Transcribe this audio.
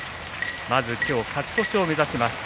まず今日勝ち越しを目指します。